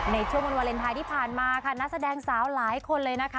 ในช่วงวันวาเลนไทยที่ผ่านมาค่ะนักแสดงสาวหลายคนเลยนะคะ